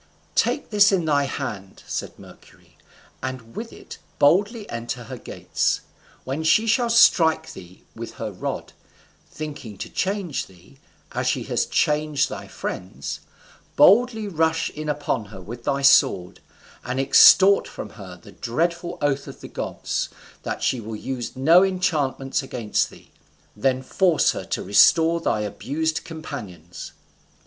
"Take this in thy hand," said Mercury, "and with it boldly enter her gates; when she shall strike thee with her rod, thinking to change thee, as she has changed thy friends, boldly rush in upon her with thy sword, and extort from her the dreadful oath of the gods, that she will use no enchantments against thee; then force her to restore thy abused companions."